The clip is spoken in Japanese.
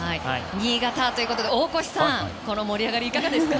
新潟ということで大越さんこの盛り上がり、いかがですか。